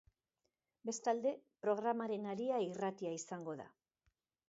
Bestalde, programaren haria irratia izango da.